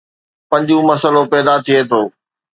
پنجون مسئلو پيدا ٿئي ٿو